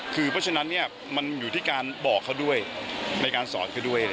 คือเพราะฉะนั้นมันอยู่ที่การบอกเขาด้วยในการสอนเขาด้วย